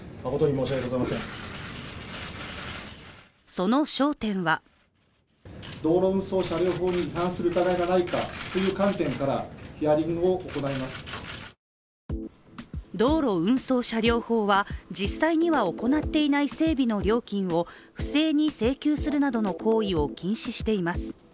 その焦点は道路運送車両法は、実際には行っていない整備の料金を不正に請求するなどの行為を禁止しています。